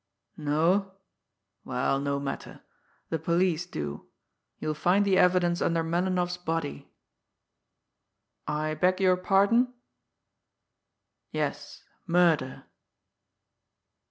... No? Well, no matter. The police do! You'll find the evidence under Melinoff's body.... I beg your pardon? ... Yes murder....